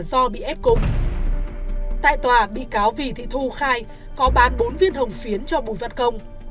do bị ép cùng tại tòa bị cáo vì thị thu khai có bán bốn viên hồng phiến cho bùi văn công